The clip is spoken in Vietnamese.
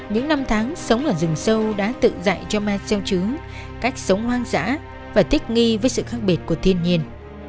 những năm tháng sống ở rừng sâu đã tự dạy cho marcel chứ cách sống hoang dã và thích nghi với sự khác biệt của thiên nhiên